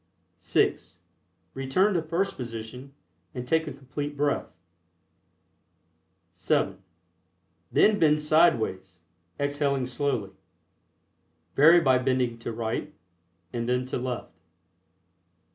(6) Return to first position and take a Complete Breath. (7) Then bend sideways, exhaling slowly. (Vary by bending to right and then to left.)